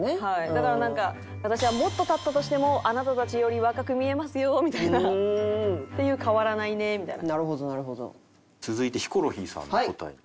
だからなんか私はもっと経ったとしてもあなたたちより若く見えますよみたいな。っていう変わらないねみたいな。